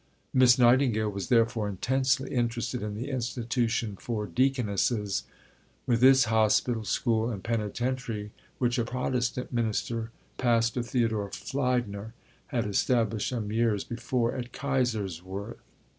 Miss Nightingale was therefore intensely interested in the Institution for Deaconesses, with its hospital, school, and penitentiary, which a Protestant minister, Pastor Theodor Fliedner, had established some years before at Kaiserswerth.